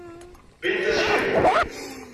Bbint aseklu.